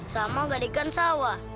sama gadikan sawah